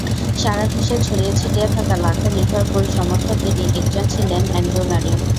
সারা বিশ্বে ছড়িয়ে-ছিটিয়ে থাকা লাখো লিভারপুল সমর্থকেরই একজন ছিলেন অ্যান্ড্রু নারি।